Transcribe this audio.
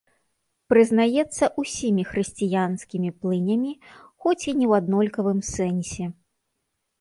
Прызнаецца усімі хрысціянскімі плынямі, хоць і не ў аднолькавым сэнсе.